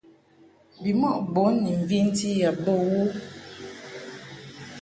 Bimɔʼ bun ni mventi yab bə wo.